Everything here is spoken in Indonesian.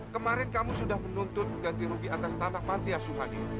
kemarin kamu sudah menuntut ganti rugi atas tanah pantiasuhani